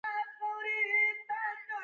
وخت د تجربې د راټولولو چوکاټ دی.